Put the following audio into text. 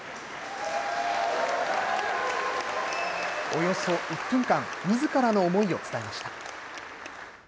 およそ１分間、みずからの思いを伝えました。